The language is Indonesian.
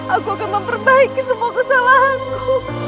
aku akan memperbaiki semua kesalahanku